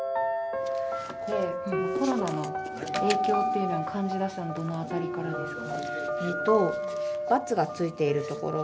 コロナの影響っていうのを感じだしたのどの辺りからですか？